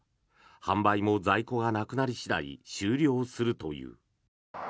販売も在庫がなくなり次第終了するという。